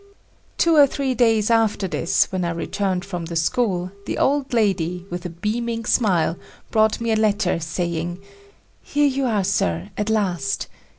Two or three days after this, when I returned from the school, the old lady with a beaming smile, brought me a letter, saying, "Here you are Sir, at last.